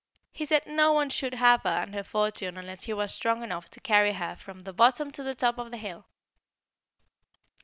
He said no one should have her and her fortune unless he was strong enough to carry her from the bottom to the top of the hill.